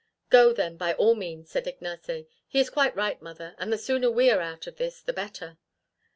"Go then by all means," said Ignace. "He is quite right, mother, and the sooner we are out of this, the better."